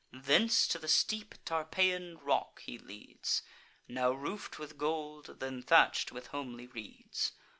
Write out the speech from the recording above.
Thence, to the steep Tarpeian rock he leads; Now roof'd with gold, then thatch'd with homely reeds.